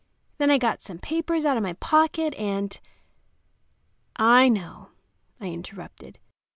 Then I got some papers out of my pocket, and—" "I know," I interrupted.